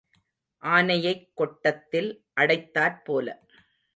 ஆனையைக் கொட்டத்தில் அடைத்தாற் போல.